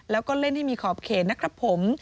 แล้วก็เล่นให้มีขอบเขตนะครับผม